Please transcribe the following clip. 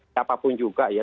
siapapun juga ya